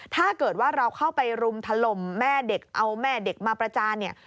ถ้าเกิดว่าเราเข้าไปรุมถล่มแม่เด็กเอาแม่เด็กมาประจานเนี่ย